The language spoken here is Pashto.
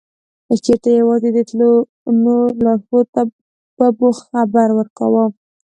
که چېرته یوازې تلو نو لارښود ته به مو خبر ورکاوه.